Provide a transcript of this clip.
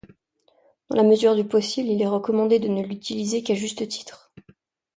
Dans la mesure du possible, il est recommandé de ne l'utiliser qu'à juste titre.